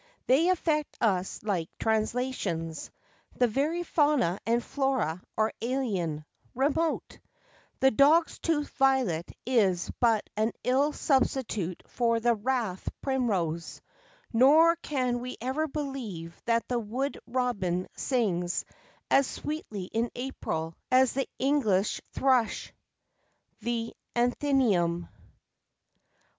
They affect us like translations; the very fauna and flora are alien, remote; the dog's tooth violet is but an ill substitute for the rathe primrose, nor can we ever believe that the wood robin sings as sweetly in April as the English thrush." _The Athenæum.